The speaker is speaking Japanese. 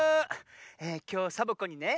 きょうサボ子にね